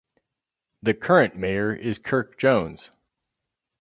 The current mayor is Kirk Jones.